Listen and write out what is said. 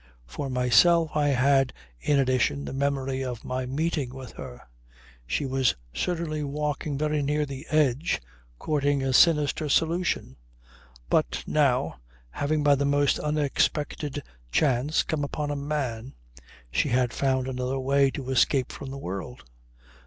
For myself I had in addition the memory of my meeting with her. She was certainly walking very near the edge courting a sinister solution. But, now, having by the most unexpected chance come upon a man, she had found another way to escape from the world.